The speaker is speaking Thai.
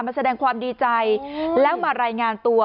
แสดงความดีใจแล้วมารายงานตัว